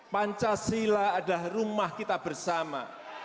pancasila adalah rumah kita bersama